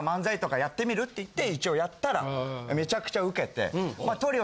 っていって一応やったらめちゃくちゃウケて。